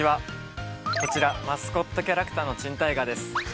こちらマスコットキャラクターのチンタイガーです。